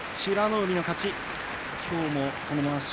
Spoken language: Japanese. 海の勝ち。